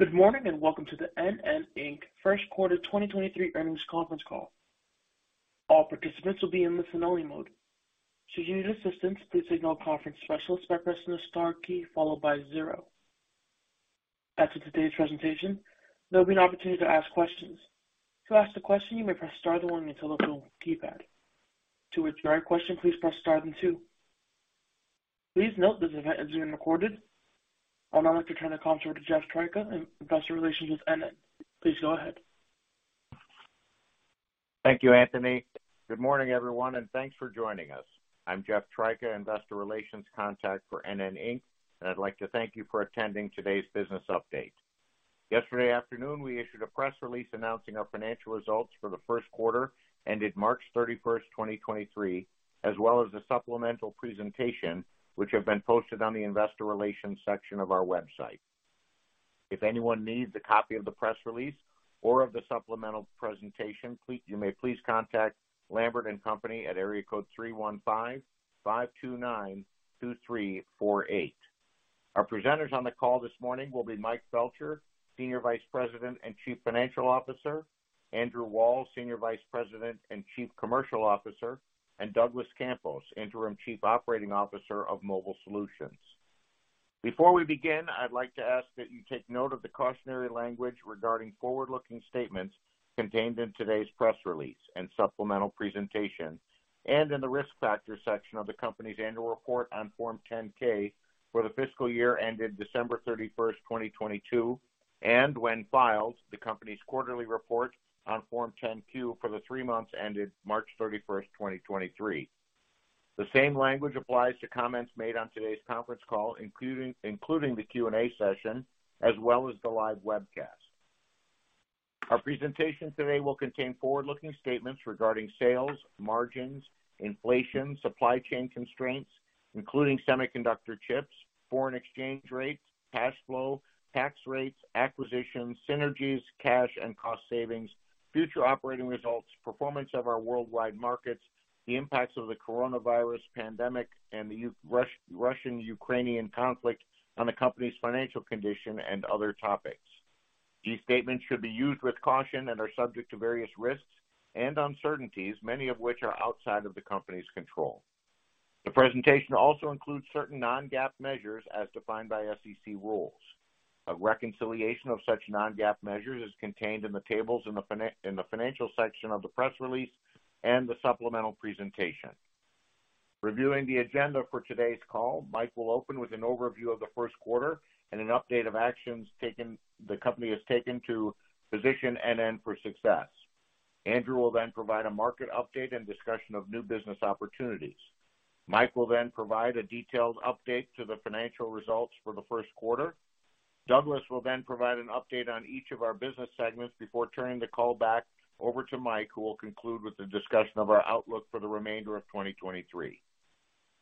Good morning, and welcome to the NN, Inc. 1st quarter 2023 earnings conference call. All participants will be in listen only mode. Should you need assistance, please signal a conference specialist by pressing the star key followed by zero. After today's presentation, there'll be an opportunity to ask questions. To ask a question, you may press star then one on your telephone keypad. To withdraw your question, please press star then two. Please note this event is being recorded. I would now like to turn the conference over to Jeff Tryka, Investor Relations with NN. Please go ahead. Thank you, Anthony. Good morning, everyone, and thanks for joining us. I'm Jeff Tryka, Investor Relations contact for NN, Inc. I'd like to thank you for attending today's business update. Yesterday afternoon, we issued a press release announcing our financial results for the first quarter ended March 31st, 2023, as well as the supplemental presentation, which have been posted on the investor relations section of our website. If anyone needs a copy of the press release or of the supplemental presentation, you may please contact Lambert & Co. at area code 315-529-2348. Our presenters on the call this morning will be Mike Felcher, Senior Vice President and Chief Financial Officer, Andrew Wall, Senior Vice President and Chief Commercial Officer, and Douglas Campos, Interim Chief Operating Officer of Mobile Solutions. Before we begin, I'd like to ask that you take note of the cautionary language regarding forward-looking statements contained in today's press release and supplemental presentation and in the Risk Factors section of the company's annual report on Form 10-K for the fiscal year ended December 31, 2022, and when filed, the company's quarterly report on Form 10-Q for the three months ended March 31, 2023. The same language applies to comments made on today's conference call, including the Q&A session, as well as the live webcast. Our presentation today will contain forward-looking statements regarding sales, margins, inflation, supply chain constraints, including semiconductor chips, foreign exchange rates, cash flow, tax rates, acquisitions, synergies, cash and cost savings, future operating results, performance of our worldwide markets, the impacts of the coronavirus pandemic, and the Russian-Ukrainian conflict on the company's financial condition and other topics. These statements should be used with caution and are subject to various risks and uncertainties, many of which are outside of the company's control. The presentation also includes certain non-GAAP measures as defined by SEC rules. A reconciliation of such non-GAAP measures is contained in the tables in the financial section of the press release and the supplemental presentation. Reviewing the agenda for today's call, Mike will open with an overview of the first quarter and an update of actions taken, the company has taken to position NN for success. Andrew will then provide a market update and discussion of new business opportunities. Mike will then provide a detailed update to the financial results for the first quarter. Douglas will provide an update on each of our business segments before turning the call back over to Mike, who will conclude with a discussion of our outlook for the remainder of 2023.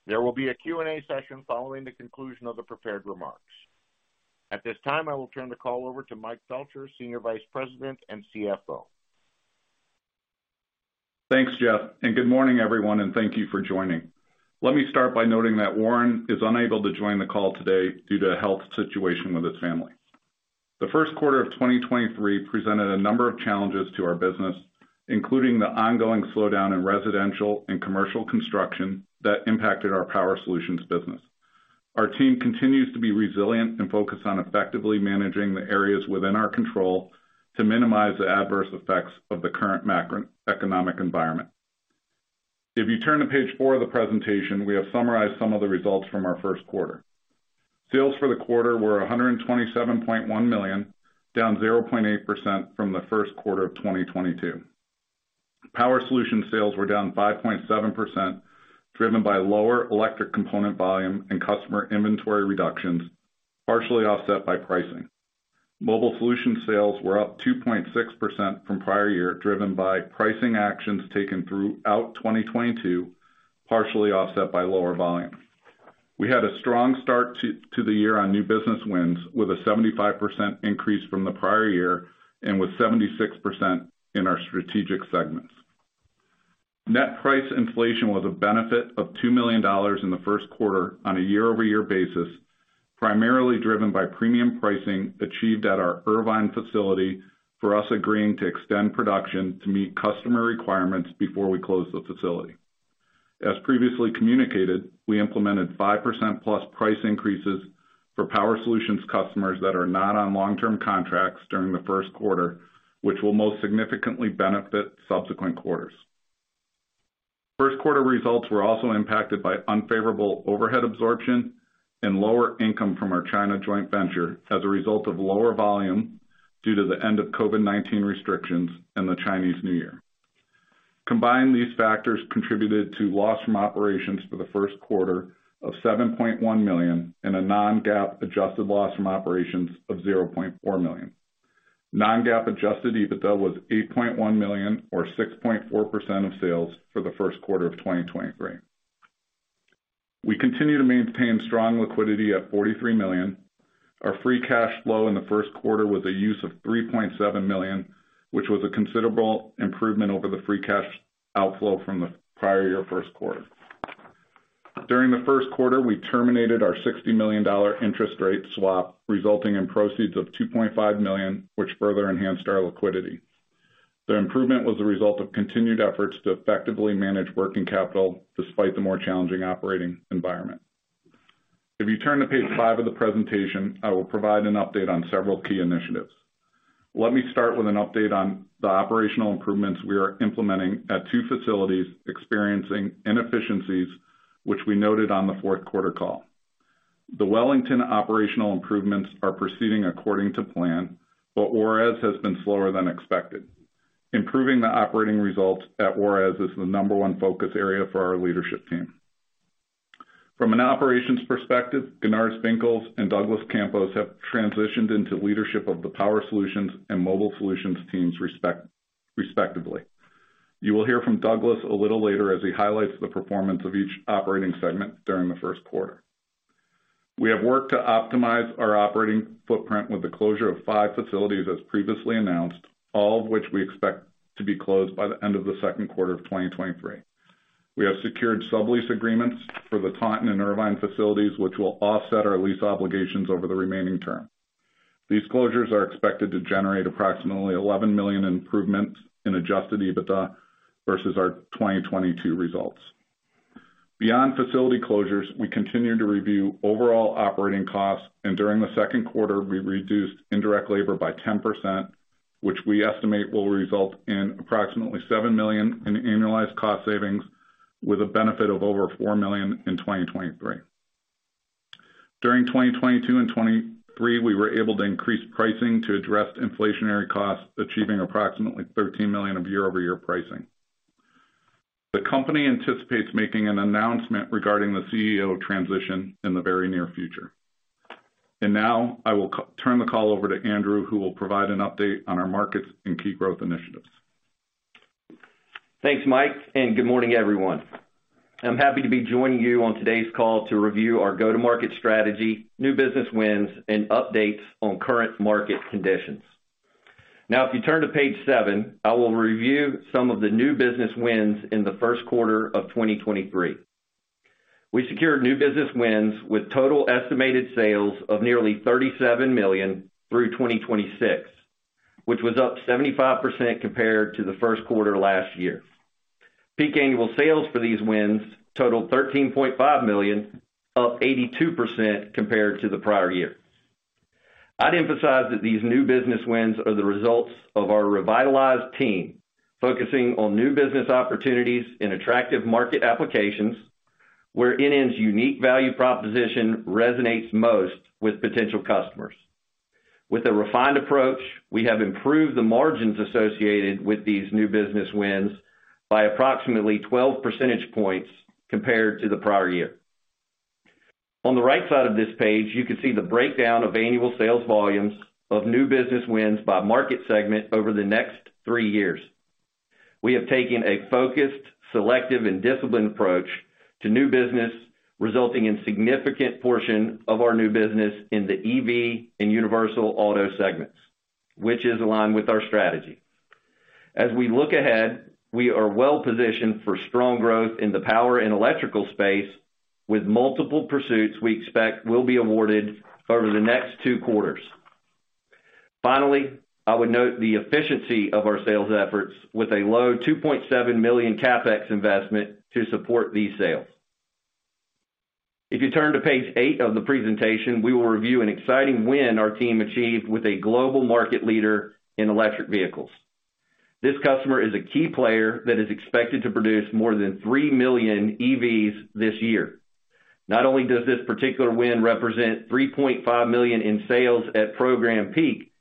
There will be a Q&A session following the conclusion of the prepared remarks. At this time, I will turn the call over to Mike Felcher, Senior Vice President and CFO. Thanks, Jeff. Good morning, everyone, and thank you for joining. Let me start by noting that Warren is unable to join the call today due to a health situation with his family. The first quarter of 2023 presented a number of challenges to our business, including the ongoing slowdown in residential and commercial construction that impacted our Power Solutions business. Our team continues to be resilient and focused on effectively managing the areas within our control to minimize the adverse effects of the current macroeconomic environment. If you turn to page four of the presentation, we have summarized some of the results from our first quarter. Sales for the quarter were $127.1 million, down 0.8% from the first quarter of 2022. Power Solutions sales were down 5.7%, driven by lower electric component volume and customer inventory reductions, partially offset by pricing. Mobile Solutions sales were up 2.6% from prior year, driven by pricing actions taken throughout 2022, partially offset by lower volume. We had a strong start to the year on new business wins, with a 75% increase from the prior year and with 76% in our strategic segments. Net price inflation was a benefit of $2 million in the first quarter on a year-over-year basis, primarily driven by premium pricing achieved at our Irvine facility for us agreeing to extend production to meet customer requirements before we close the facility. As previously communicated, we implemented 5%+ price increases for Power Solutions customers that are not on long-term contracts during the first quarter, which will most significantly benefit subsequent quarters. First quarter results were also impacted by unfavorable overhead absorption and lower income from our China joint venture as a result of lower volume due to the end of COVID-19 restrictions and the Chinese New Year. Combined, these factors contributed to loss from operations for the first quarter of $7.1 million and a non-GAAP adjusted loss from operations of $0.4 million. non-GAAP adjusted EBITDA was $8.1 million or 6.4% of sales for the first quarter of 2023. We continue to maintain strong liquidity at $43 million. Our free cash flow in the first quarter was a use of $3.7 million, which was a considerable improvement over the free cash outflow from the prior year first quarter. During the first quarter, we terminated our $60 million interest rate swap, resulting in proceeds of $2.5 million, which further enhanced our liquidity. The improvement was a result of continued efforts to effectively manage working capital despite the more challenging operating environment. If you turn to page five of the presentation, I will provide an update on several key initiatives. Let me start with an update on the operational improvements we are implementing at two facilities experiencing inefficiencies, which we noted on the fourth-quarter call. The Wellington operational improvements are proceeding according to plan, but Juarez has been slower than expected. Improving the operating results at Juarez is the number one focus area for our leadership team. From an operations perspective, Gunars Vinkels and Douglas Campos have transitioned into leadership of the Power Solutions and Mobile Solutions teams respectively. You will hear from Douglas a little later as he highlights the performance of each operating segment during the first quarter. We have worked to optimize our operating footprint with the closure of five facilities as previously announced, all of which we expect to be closed by the end of the second quarter of 2023. We have secured sublease agreements for the Taunton and Irvine facilities, which will offset our lease obligations over the remaining term. These closures are expected to generate approximately $11 million improvements in adjusted EBITDA versus our 2022 results. Beyond facility closures, we continue to review overall operating costs. During the second quarter, we reduced indirect labor by 10%, which we estimate will result in approximately $7 million in annualized cost savings with a benefit of over $4 million in 2023. During 2022 and 2023, we were able to increase pricing to address inflationary costs, achieving approximately $13 million of year-over-year pricing. The company anticipates making an announcement regarding the CEO transition in the very near future. Now I will turn the call over to Andrew, who will provide an update on our markets and key growth initiatives. Thanks, Mike, and good morning, everyone. I'm happy to be joining you on today's call to review our go-to-market strategy, new business wins, and updates on current market conditions. If you turn to page seven, I will review some of the new business wins in the first quarter of 2023. We secured new business wins with total estimated sales of nearly $37 million through 2026, which was up 75% compared to the first quarter last year. Peak annual sales for these wins totaled $13.5 million, up 82% compared to the prior year. I'd emphasize that these new business wins are the results of our revitalized team focusing on new business opportunities in attractive market applications where NN's unique value proposition resonates most with potential customers. With a refined approach, we have improved the margins associated with these new business wins by approximately 12 percentage points compared to the prior year. On the right side of this page, you can see the breakdown of annual sales volumes of new business wins by market segment over the next three years. We have taken a focused, selective, and disciplined approach to new business, resulting in significant portion of our new business in the EV and universal auto segments, which is aligned with our strategy. As we look ahead, we are well positioned for strong growth in the power and electrical space with multiple pursuits we expect will be awarded over the next two quarters. I would note the efficiency of our sales efforts with a low $2.7 million CapEx investment to support these sales. If you turn to page eight of the presentation, we will review an exciting win our team achieved with a global market leader in electric vehicles. This customer is a key player that is expected to produce more than three million EVs this year. Not only does this particular win represent $3.5 million in sales at program peak,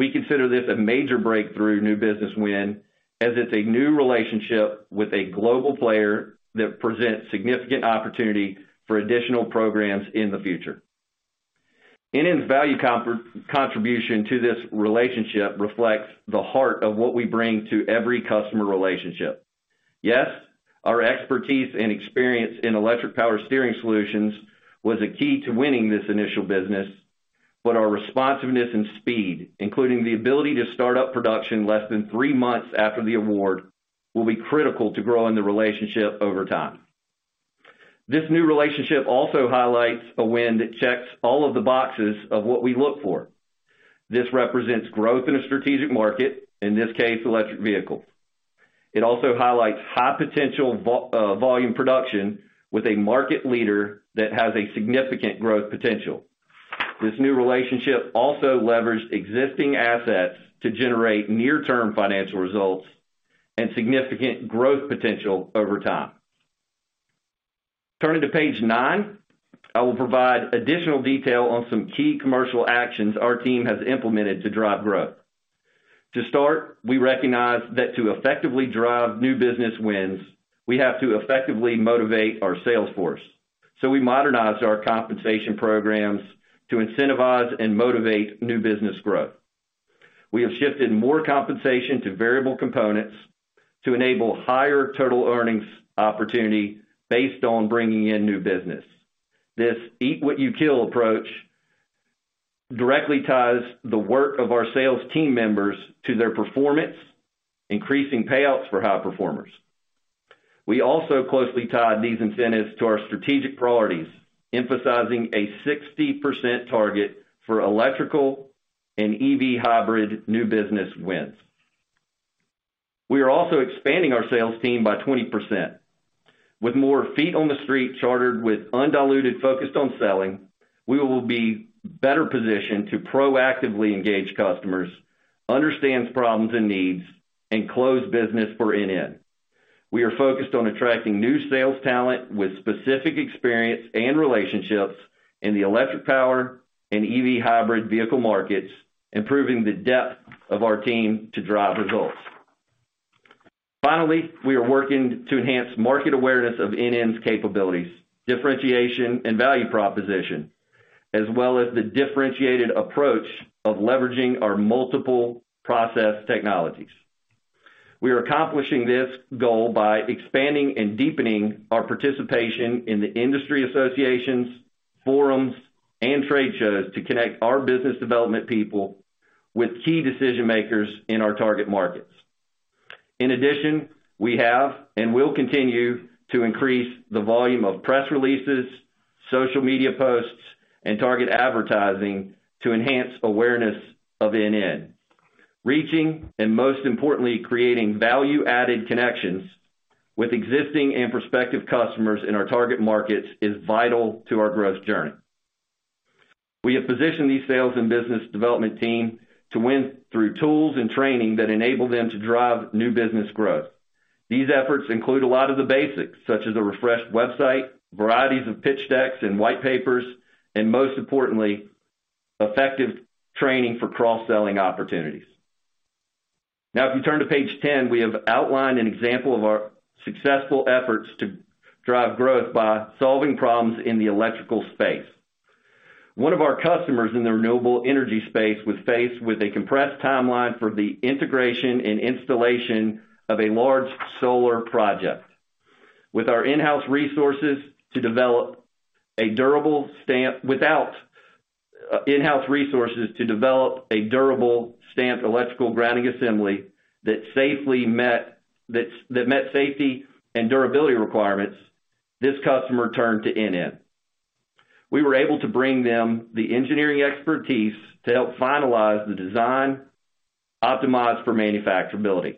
we consider this a major breakthrough new business win, as it's a new relationship with a global player that presents significant opportunity for additional programs in the future. NN's value contribution to this relationship reflects the heart of what we bring to every customer relationship. Yes, our expertise and experience in electric power steering solutions was a key to winning this initial business, but our responsiveness and speed, including the ability to start up production less than three months after the award, will be critical to growing the relationship over time. This new relationship also highlights a win that checks all of the boxes of what we look for. This represents growth in a strategic market, in this case, electric vehicles. It also highlights high potential volume production with a market leader that has a significant growth potential. This new relationship also leveraged existing assets to generate near-term financial results and significant growth potential over time. Turning to page nine, I will provide additional detail on some key commercial actions our team has implemented to drive growth. To start, we recognize that to effectively drive new business wins, we have to effectively motivate our sales force. We modernized our compensation programs to incentivize and motivate new business growth. We have shifted more compensation to variable components to enable higher total earnings opportunity based on bringing in new business. This eat-what-you-kill approach directly ties the work of our sales team members to their performance, increasing payouts for high performers. We also closely tied these incentives to our strategic priorities, emphasizing a 60% target for electrical and EV/hybrid new business wins. We are also expanding our sales team by 20%. With more feet on the street chartered with undiluted focused on selling, we will be better positioned to proactively engage customers, understand problems and needs, and close business for NN. We are focused on attracting new sales talent with specific experience and relationships in the electric power and EV hybrid vehicle markets, improving the depth of our team to drive results. We are working to enhance market awareness of NN's capabilities, differentiation, and value proposition, as well as the differentiated approach of leveraging our multiple process technologies. We are accomplishing this goal by expanding and deepening our participation in the industry associations, forums, and trade shows to connect our business development people with key decision-makers in our target markets. We have and will continue to increase the volume of press releases, social media posts, and target advertising to enhance awareness of NN. Reaching, and most importantly, creating value-added connections with existing and prospective customers in our target markets is vital to our growth journey. We have positioned these sales and business development team to win through tools and training that enable them to drive new business growth. These efforts include a lot of the basics, such as a refreshed website, varieties of pitch decks and white papers, and most importantly, effective training for cross-selling opportunities. If you turn to page 10, we have outlined an example of our successful efforts to drive growth by solving problems in the electrical space. One of our customers in the renewable energy space was faced with a compressed timeline for the integration and installation of a large solar project. Without in-house resources to develop a durable stamped electrical grounding assembly that safely met safety and durability requirements, this customer turned to NN. We were able to bring them the engineering expertise to help finalize the design optimized for manufacturability.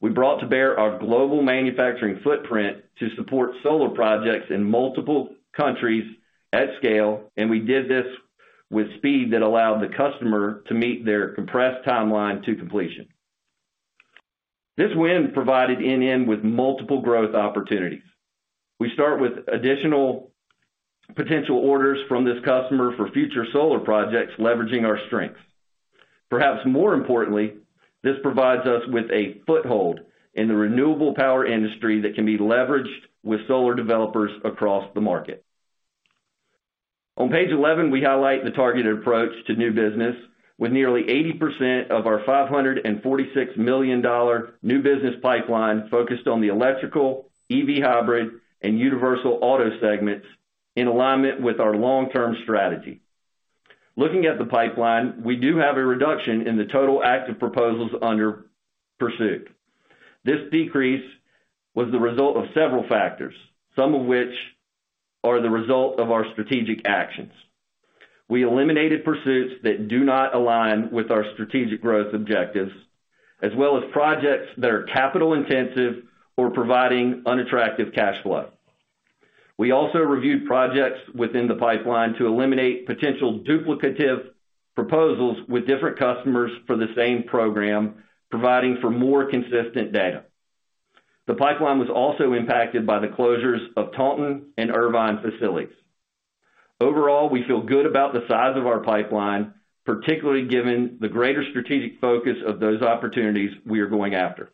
We brought to bear our global manufacturing footprint to support solar projects in multiple countries at scale, and we did this with speed that allowed the customer to meet their compressed timeline to completion. This win provided NN with multiple growth opportunities. We start with additional potential orders from this customer for future solar projects leveraging our strengths. Perhaps more importantly, this provides us with a foothold in the renewable power industry that can be leveraged with solar developers across the market. On page 11, we highlight the targeted approach to new business with nearly 80% of our $546 million new business pipeline focused on the electrical, EV/hybrid, and universal auto segments in alignment with our long-term strategy. Looking at the pipeline, we do have a reduction in the total active proposals under pursuit. This decrease was the result of several factors, some of which are the result of our strategic actions. We eliminated pursuits that do not align with our strategic growth objectives, as well as projects that are capital-intensive or providing unattractive cash flow. We also reviewed projects within the pipeline to eliminate potential duplicative proposals with different customers for the same program, providing for more consistent data. The pipeline was also impacted by the closures of Taunton and Irvine facilities. Overall, we feel good about the size of our pipeline, particularly given the greater strategic focus of those opportunities we are going after.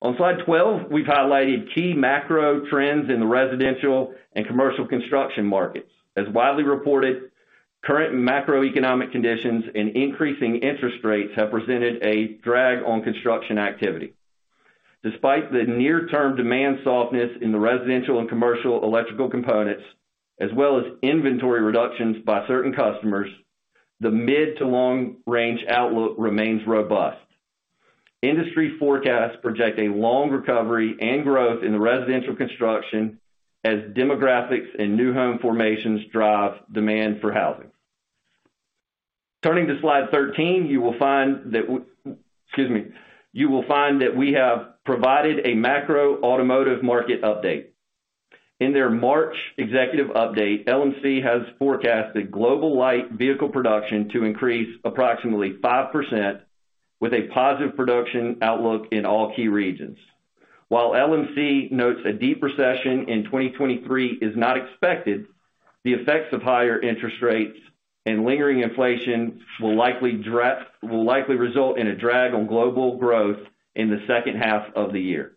On slide 12, we've highlighted key macro trends in the residential and commercial construction markets. As widely reported, current macroeconomic conditions and increasing interest rates have presented a drag on construction activity. Despite the near-term demand softness in the residential and commercial electrical components, as well as inventory reductions by certain customers, the mid to long-range outlook remains robust. Industry forecasts project a long recovery and growth in the residential construction as demographics and new home formations drive demand for housing. Turning to slide 13, you will find that excuse me. You will find that we have provided a macro automotive market update. In their March executive update, LMC has forecasted global light vehicle production to increase approximately 5% with a positive production outlook in all key regions. While LMC notes a deep recession in 2023 is not expected, the effects of higher interest rates and lingering inflation will likely result in a drag on global growth in the second half of the year.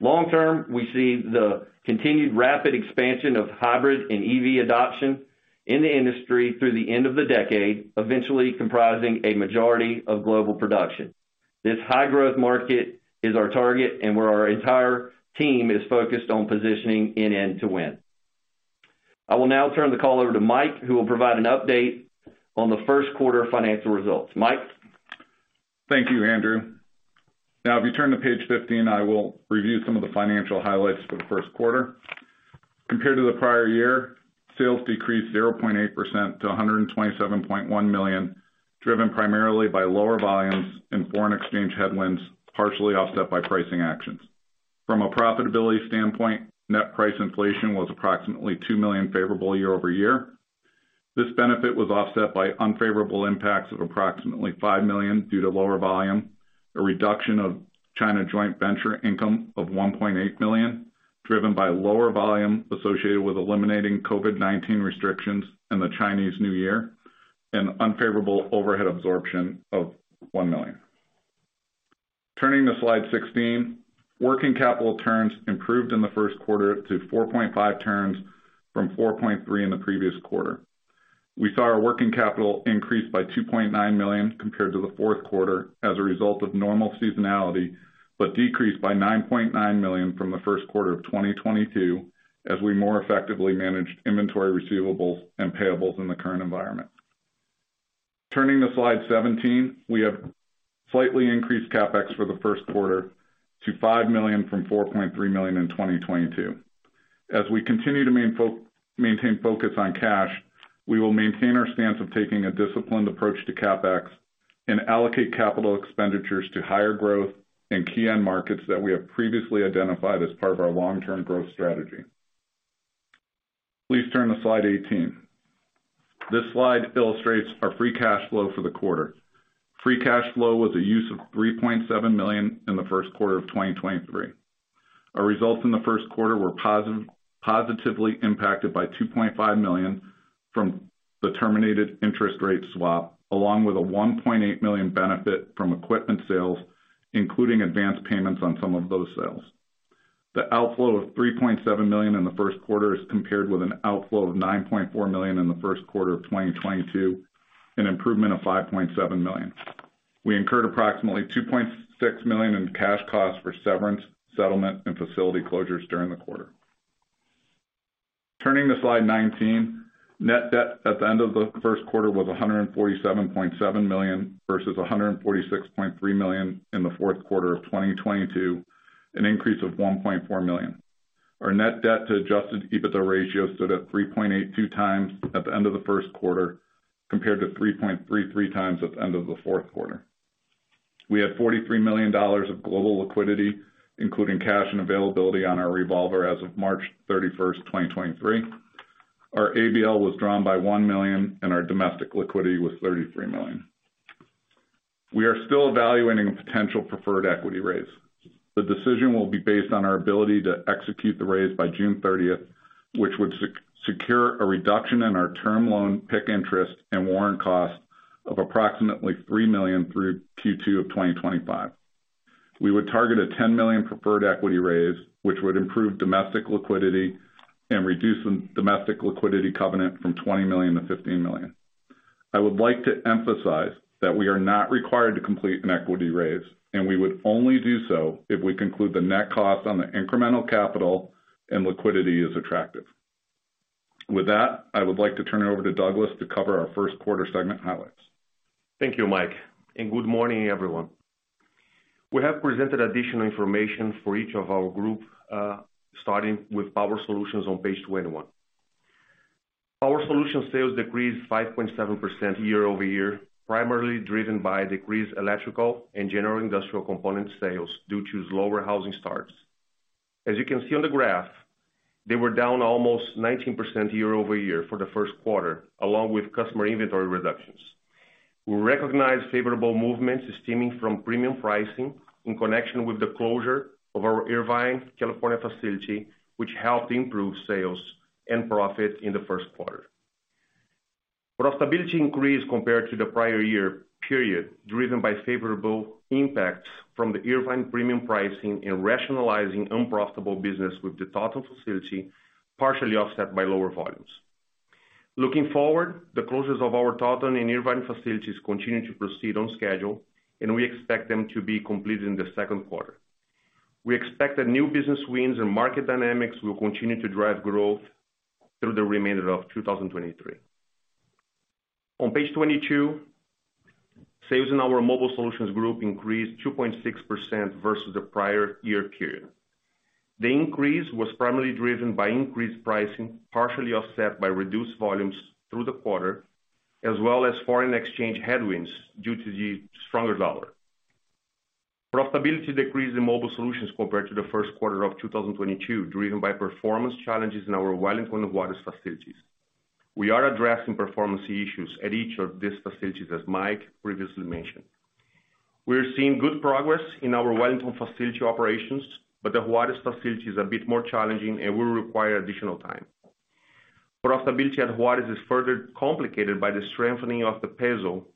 Long term, we see the continued rapid expansion of hybrid and EV adoption in the industry through the end of the decade, eventually comprising a majority of global production. This high growth market is our target and where our entire team is focused on positioning NN to win. I will now turn the call over to Mike, who will provide an update on the first quarter financial results. Mike? Thank you, Andrew. If you turn to page 15, I will review some of the financial highlights for the first quarter. Compared to the prior year, sales decreased 0.8% to $127.1 million, driven primarily by lower volumes and foreign exchange headwinds, partially offset by pricing actions. From a profitability standpoint, net price inflation was approximately $2 million favorable year-over-year. This benefit was offset by unfavorable impacts of approximately $5 million due to lower volume, a reduction of China joint venture income of $1.8 million, driven by lower volume associated with eliminating COVID-19 restrictions in the Chinese New Year, and unfavorable overhead absorption of $1 million. Turning to slide 16, working capital turns improved in the first quarter to 4.5 turns from 4.3 in the previous quarter. We saw our working capital increase by $2.9 million compared to the fourth quarter as a result of normal seasonality, but decreased by $9.9 million from the first quarter of 2022 as we more effectively managed inventory receivables and payables in the current environment. Turning to slide 17, we have slightly increased CapEx for the first quarter to $5 million from $4.3 million in 2022. As we continue to maintain focus on cash, we will maintain our stance of taking a disciplined approach to CapEx and allocate capital expenditures to higher growth in key end markets that we have previously identified as part of our long-term growth strategy. Please turn to slide 18. This slide illustrates our free cash flow for the quarter. Free cash flow was a use of $3.7 million in the first quarter of 2023. Our results in the first quarter were positively impacted by $2.5 million from the terminated interest rate swap, along with a $1.8 million benefit from equipment sales, including advanced payments on some of those sales. The outflow of $3.7 million in the first quarter is compared with an outflow of $9.4 million in the first quarter of 2022, an improvement of $5.7 million. We incurred approximately $2.6 million in cash costs for severance, settlement, and facility closures during the quarter. Turning to slide 19, net debt at the end of the first quarter was $147.7 million versus $146.3 million in the fourth quarter of 2022, an increase of $1.4 million. Our net debt to adjusted EBITDA ratio stood at 3.82xat the end of the first quarter, compared to 3.33x at the end of the fourth quarter. We had $43 million of global liquidity, including cash and availability on our revolver as of March 31st, 2023. Our ABL was drawn by $1 million, and our domestic liquidity was $33 million. We are still evaluating a potential preferred equity raise. The decision will be based on our ability to execute the raise by June 30th, which would secure a reduction in our term loan PIK interest and warrant cost of approximately $3 million through Q2 of 2025. We would target a $10 million preferred equity raise, which would improve domestic liquidity and reduce the domestic liquidity covenant from $20 million to $15 million. I would like to emphasize that we are not required to complete an equity raise, and we would only do so if we conclude the net cost on the incremental capital and liquidity is attractive. With that, I would like to turn it over to Douglas to cover our first quarter segment highlights. Thank you, Mike, and good morning, everyone. We have presented additional information for each of our group, starting with Power Solutions on page 21. Power Solutions sales decreased 5.7% year-over-year, primarily driven by decreased electrical and general industrial component sales due to lower housing starts. As you can see on the graph, they were down almost 19% year-over-year for the first quarter, along with customer inventory reductions. We recognized favorable movements stemming from premium pricing in connection with the closure of our Irvine, California facility, which helped improve sales and profit in the first quarter. Profitability increased compared to the prior year period, driven by favorable impacts from the Irvine premium pricing and rationalizing unprofitable business with the Taunton facility, partially offset by lower volumes. Looking forward, the closures of our Taunton and Irvine facilities continue to proceed on schedule, and we expect them to be completed in the second quarter. We expect that new business wins and market dynamics will continue to drive growth through the remainder of 2023. On page 22, sales in our Mobile Solutions Group increased 2.6% versus the prior year period. The increase was primarily driven by increased pricing, partially offset by reduced volumes through the quarter, as well as foreign exchange headwinds due to the stronger dollar. Profitability decreased in Mobile Solutions compared to the first quarter of 2022, driven by performance challenges in our Wellington Juarez facilities. We are addressing performance issues at each of these facilities, as Mike previously mentioned. We are seeing good progress in our Wellington facility operations, but the Juarez facility is a bit more challenging and will require additional time. Profitability at Juarez is further complicated by the strengthening of the peso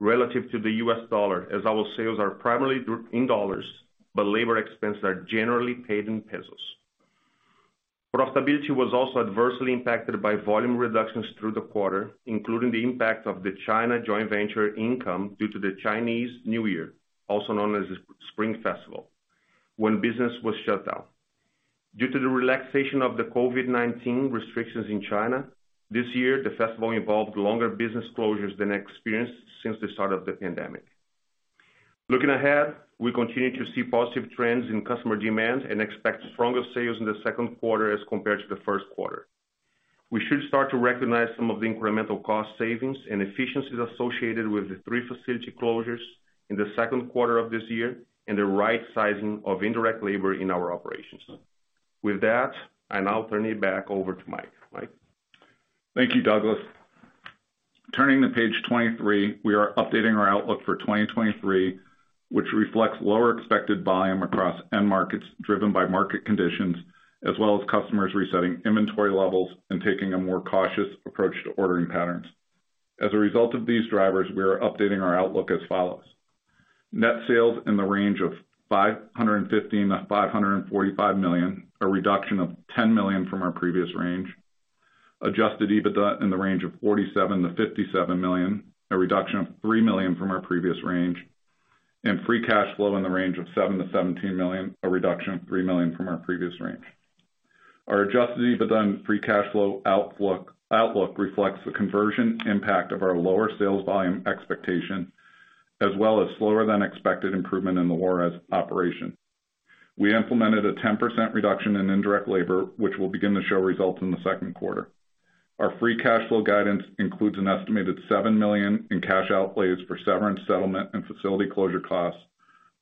relative to the US dollar, as our sales are primarily in dollars, but labor expenses are generally paid in pesos. Profitability was also adversely impacted by volume reductions through the quarter, including the impact of the China joint venture income due to the Chinese New Year, also known as the Spring Festival, when business was shut down. Due to the relaxation of the COVID-19 restrictions in China, this year, the festival involved longer business closures than experienced since the start of the pandemic. Looking ahead, we continue to see positive trends in customer demand and expect stronger sales in the second quarter as compared to the first quarter. We should start to recognize some of the incremental cost savings and efficiencies associated with the three facility closures in the second quarter of this year and the right sizing of indirect labor in our operations. With that, I now turn it back over to Mike. Mike? Thank you, Douglas. Turning to page 23, we are updating our outlook for 2023, which reflects lower expected volume across end markets driven by market conditions, as well as customers resetting inventory levels and taking a more cautious approach to ordering patterns. As a result of these drivers, we are updating our outlook as follows: Net sales in the range of $550 million-$545 million, a reduction of $10 million from our previous range. Adjusted EBITDA in the range of $47 million-$57 million, a reduction of $3 million from our previous range. Free cash flow in the range of $7 million-$17 million, a reduction of $3 million from our previous range. Our adjusted EBITDA and free cash flow outlook reflects the conversion impact of our lower sales volume expectation, as well as slower than expected improvement in the Juarez operation. We implemented a 10% reduction in indirect labor, which will begin to show results in the second quarter. Our free cash flow guidance includes an estimated $7 million in cash outlays for severance settlement and facility closure costs,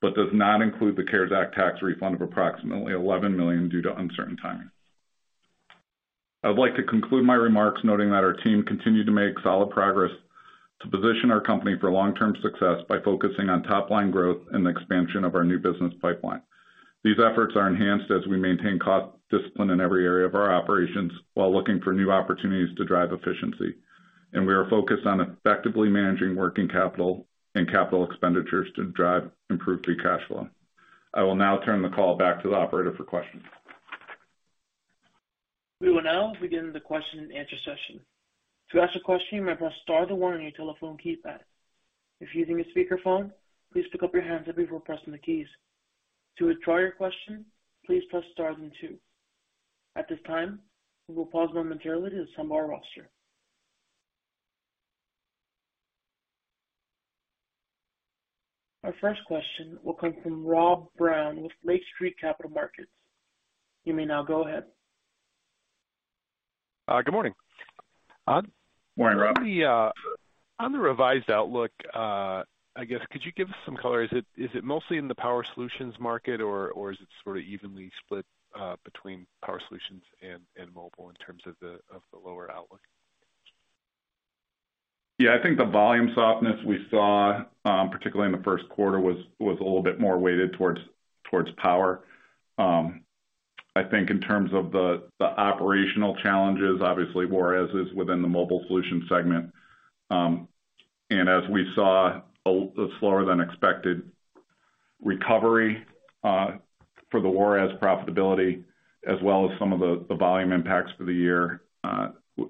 but does not include the CARES Act tax refund of approximately $11 million due to uncertain timing. I would like to conclude my remarks noting that our team continued to make solid progress to position our company for long-term success by focusing on top line growth and expansion of our new business pipeline. These efforts are enhanced as we maintain cost discipline in every area of our operations while looking for new opportunities to drive efficiency. We are focused on effectively managing working capital and capital expenditures to drive improved free cash flow. I will now turn the call back to the operator for questions. We will now begin the question and answer session. To ask a question, you may press star then one on your telephone keypad. If using a speakerphone, please pick up your handset before pressing the keys. To withdraw your question, please press star then two. At this time, we will pause momentarily to assemble our roster. Our first question will come from Rob Brown with Lake Street Capital Markets. You may now go ahead. Good morning. [Hello?] Morning, Rob. On the revised outlook, I guess could you give us some color? Is it mostly in the Power Solutions market or is it sort of evenly split, between Power Solutions and Mobile in terms of the lower outlook? Yeah, I think the volume softness we saw, particularly in the first quarter was a little bit more weighted towards Power. I think in terms of the operational challenges, obviously Juarez is within the Mobile Solutions segment. As we saw a slower than expected recovery for the Juarez profitability as well as some of the volume impacts for the year,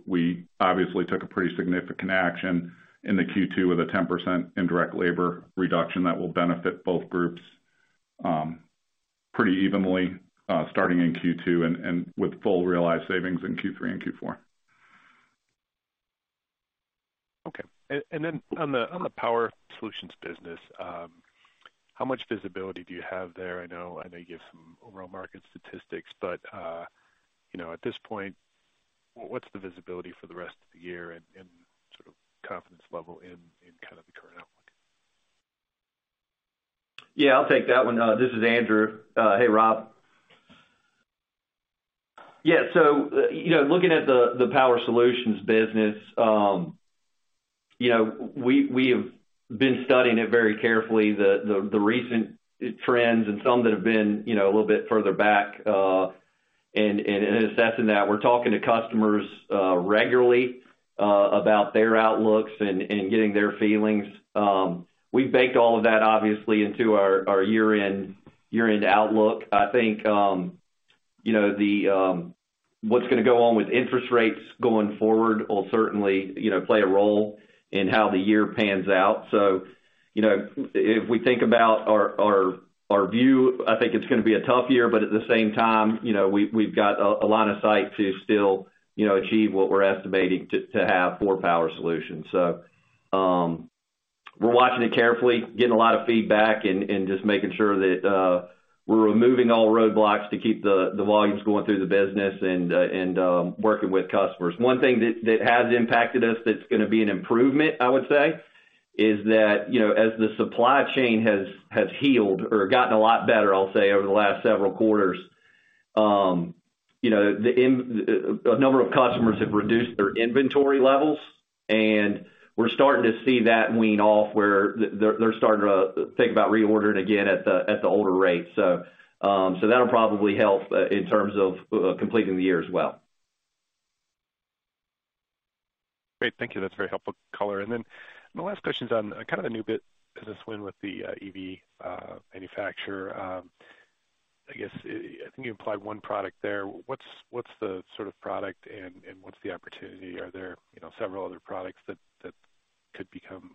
we obviously took a pretty significant action in the Q2 with a 10% indirect labor reduction that will benefit both groups pretty evenly, starting in Q2 with full realized savings in Q3 and Q4. Okay. Then on the Power Solutions business, how much visibility do you have there? I know you give some overall market statistics, but, you know, at this point, what's the visibility for the rest of the year and sort of confidence level in kind of the current outlook? I'll take that one. This is Andrew. Hey, Rob. You know, looking at the Power Solutions business, you know, we have been studying it very carefully, the recent trends and some that have been, you know, a little bit further back, and assessing that. We're talking to customers regularly about their outlooks and getting their feelings. We've baked all of that obviously into our year-end outlook. I think, you know, what's gonna go on with interest rates going forward will certainly, you know, play a role in how the year pans out. You know, if we think about our view, I think it's gonna be a tough year, but at the same time, you know, we've got a line of sight to still, you know, achieve what we're estimating to have for Power Solutions. We're watching it carefully, getting a lot of feedback and just making sure that we're removing all roadblocks to keep the volumes going through the business and working with customers. One thing that has impacted us that's gonna be an improvement, I would say, is that, you know, as the supply chain has healed or gotten a lot better, I'll say, over the last several quarters, you know, a number of customers have reduced their inventory levels, and we're starting to see that wean off where they're starting to think about reordering again at the, at the older rates. That'll probably help in terms of completing the year as well. Great. Thank you. That's very helpful color. My last question's on kind of the new bit business win with the EV manufacturer. I guess, I think you implied one product there. What's the sort of product and what's the opportunity? Are there, you know, several other products that could become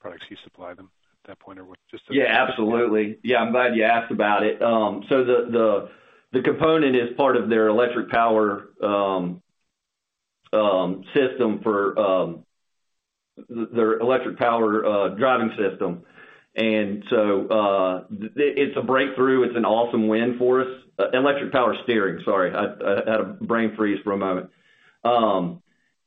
products you supply them at that point or what? Yeah, absolutely. Yeah, I'm glad you asked about it. So the, the component is part of their electric power system for their electric power driving system. It's a breakthrough, it's an awesome win for us. Electric power steering, sorry, I had a brain freeze for a moment.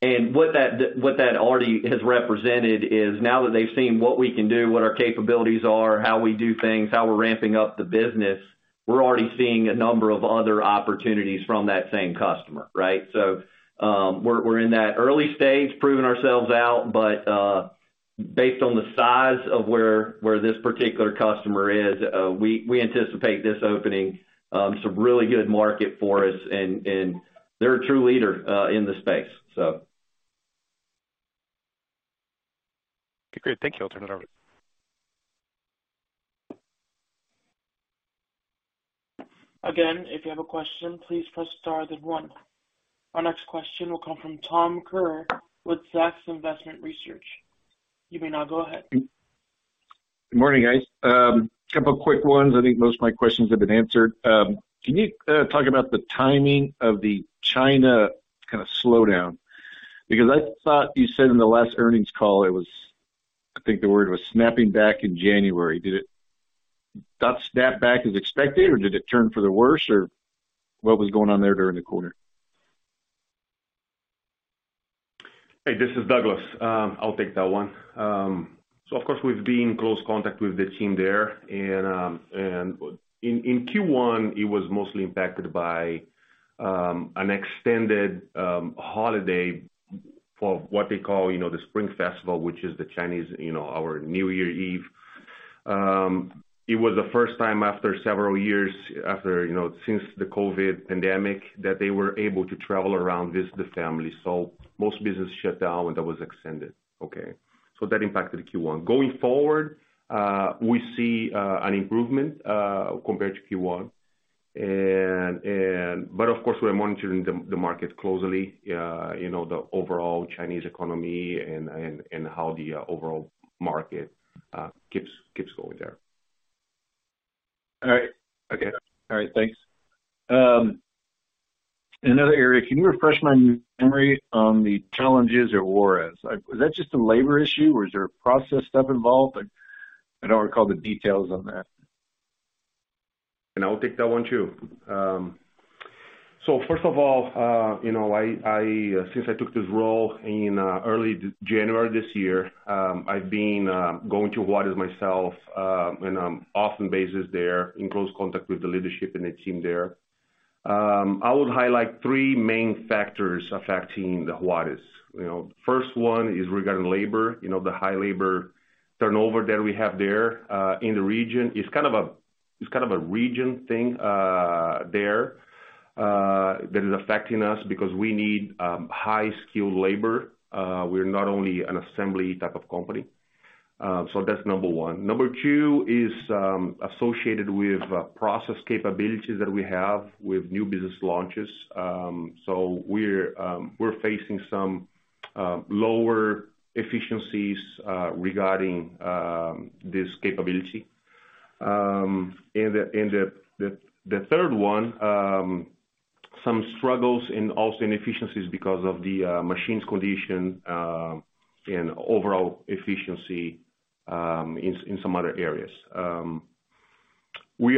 What that already has represented is now that they've seen what we can do, what our capabilities are, how we do things, how we're ramping up the business, we're already seeing a number of other opportunities from that same customer, right? We're in that early stage, proving ourselves out, but, based on the size of where this particular customer is, we anticipate this opening, some really good market for us and they're a true leader in the space. Okay, great. Thank you. I'll turn it over. Again, if you have a question, please press star then one. Our next question will come from Tom Kerr with Zacks Investment Research. You may now go ahead. Good morning, guys. A couple of quick ones. I think most of my questions have been answered. Can you talk about the timing of the China kinda slowdown? I thought you said in the last earnings call it was, I think the word was snapping back in January. Did that snap back as expected, or did it turn for the worse? What was going on there during the quarter? Hey, this is Douglas. I'll take that one. Of course, we've been in close contact with the team there. In Q1, it was mostly impacted by an extended holiday for what they call, you know, the Spring Festival, which is the Chinese, you know, our New Year Eve. It was the first time after several years, you know, since the COVID pandemic that they were able to travel around, visit the family. Most business shut down when that was extended. Okay. That impacted Q1. Going forward, we see an improvement compared to Q1. But of course, we're monitoring the market closely, you know, the overall Chinese economy and how the overall market keeps going there. All right. Okay. All right, thanks. Another area, can you refresh my memory on the challenges at Juarez? Is that just a labor issue or is there a process stuff involved? I don't recall the details on that. I'll take that one too. First of all, you know, I since I took this role in early January this year, I've been going to Juarez myself on an often basis there in close contact with the leadership and the team there. I would highlight 3 main factors affecting the Juarez. You know, first one is regarding labor. You know, the high labor turnover that we have there in the region is kind of a region thing there that is affecting us because we need high-skilled labor. We're not only an assembly type of company. That's number one. Number two is associated with process capabilities that we have with new business launches. We're facing some lower efficiencies regarding this capability. The third one, some struggles and also inefficiencies because of the machines condition and overall efficiency in some other areas. We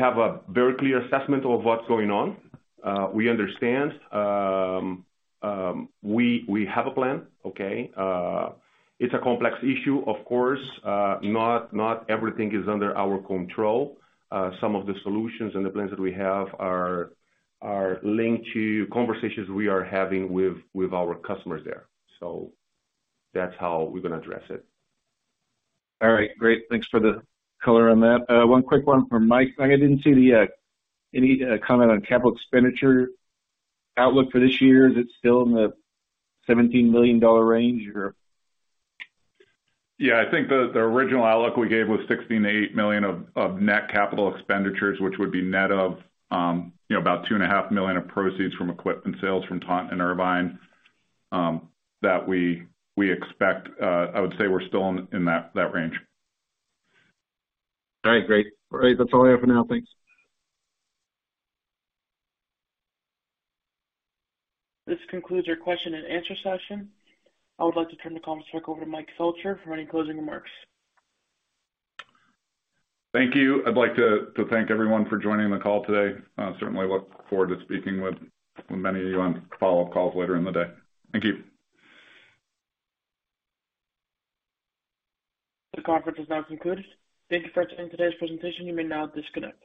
have a very clear assessment of what's going on. We understand. We have a plan, okay? It's a complex issue, of course. Not everything is under our control. Some of the solutions and the plans that we have are linked to conversations we are having with our customers there. That's how we're gonna address it. All right, great. Thanks for the color on that. One quick one for Mike. Mike, I didn't see the any comment on capital expenditure outlook for this year. Is it still in the $17 million range or? I think the original outlook we gave was $16 million-$8 million of net capital expenditures, which would be net of, you know, about $2.5 million of proceeds from equipment sales from Taunton and Irvine, that we expect. I would say we're still in that range. All right, great. All right. That's all I have for now. Thanks. This concludes your question and answer session. I would like to turn the conference back over to Mike Felcher for any closing remarks. Thank you. I'd like to thank everyone for joining the call today. I certainly look forward to speaking with many of you on follow-up calls later in the day. Thank you. The conference is now concluded. Thank you for attending today's presentation. You may now disconnect.